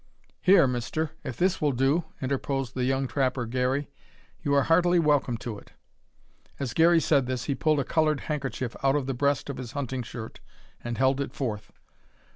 "Here, mister; if this will do," interposed the young trapper Garey, "you are heartily welcome to it." As Garey said this, he pulled a coloured handkerchief out of the breast of his hunting shirt, and held it forth.